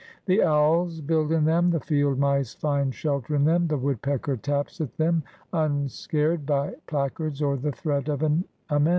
The owls build in them, the field mice find shelter in them, the woodpecker taps at them, unscared by placards or the threat of an amend.